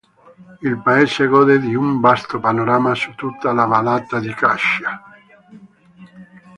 Il paese gode di un vasto panorama su tutta la vallata di Cascia.